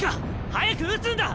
早く撃つんだ！